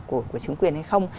của chứng quyền hay không